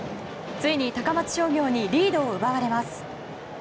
ついに高松商業にリードを奪われます。